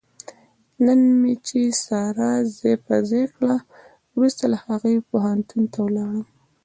نن مې چې ساره ځای په ځای کړه، ورسته له هغې پوهنتون ته ولاړم.